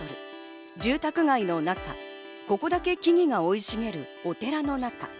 住宅街の中、ここだけ木々が生い茂るお寺の中。